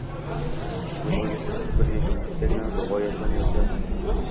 Nima deb oʻylaysiz, siz bir yoki ikkitagina gʻoya bilan yozasizmi